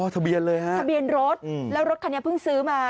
ทะเบียนเลยฮะทะเบียนรถแล้วรถคันนี้เพิ่งซื้อมา